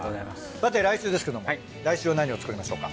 さて来週ですけども来週は何を作りましょうか？